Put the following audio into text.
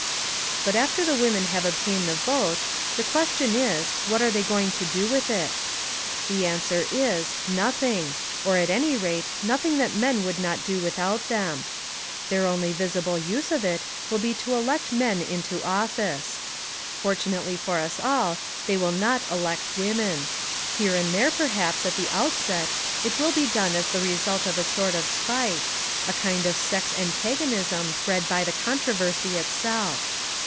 But after the women have obtained the vote the question is, what are they going to do with it? The answer is, nothing, or at any raf& nothing that men would not do without them. Their only visible use of it will be to elect men into office. Fortunately for us all they will not elect women. Here and there per haps at the outset, it will be done as the re sult of a sort of spite, a kind of sex antag onism bred by the controversy itself.